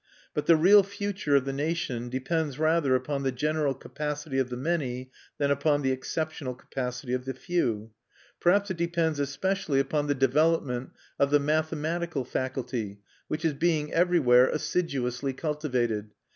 But the real future of the nation depends rather upon the general capacity of the many than upon the exceptional capacity of the few. Perhaps it depends especially upon the development of the mathematical faculty, which is being everywhere assiduously cultivated.